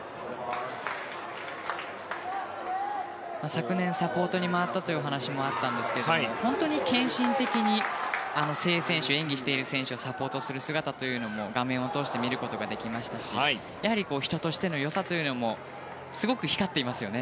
昨年サポートに回ったという話もあったんですが本当に献身的に正選手演技している選手をサポートする姿を画面を通して見ることができましたしやはり人としての良さというのもすごく光っていますよね。